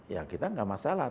ya kita enggak masalah